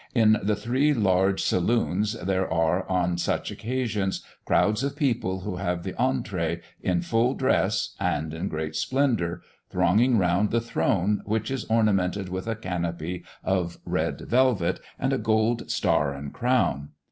In the three large saloons there are, on such occasions, crowds of people who have the entrée, in full dress, and great splendour, thronging round the throne, which is ornamented with a canopy of red velvet, and a gold star and crown.